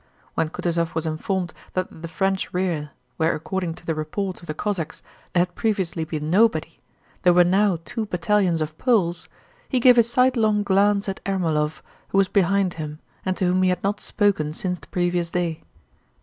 When Kutúzov was informed that at the French rear—where according to the reports of the Cossacks there had previously been nobody—there were now two battalions of Poles, he gave a sidelong glance at Ermólov who was behind him and to whom he had not spoken since the previous day.